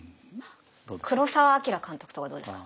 黒澤明監督とかどうですか？